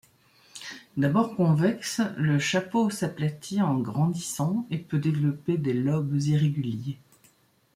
D’abord convexe, le chapeau s’aplatit en grandissant et peut développer des lobes irréguliers.